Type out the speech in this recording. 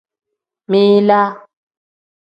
Min-laa.